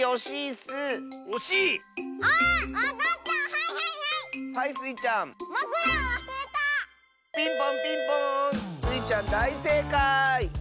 スイちゃんだいせいかい！